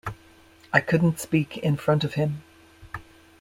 I couldn't speak in front of him.